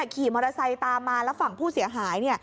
ขี่มอเตอร์ไซค์ตามมาแล้วฝั่งผู้เสียหาย